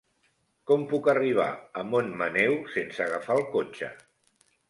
Com puc arribar a Montmaneu sense agafar el cotxe?